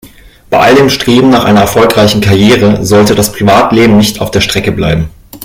Bei all dem Streben nach einer erfolgreichen Karriere sollte das Privatleben nicht auf der Strecke bleiben.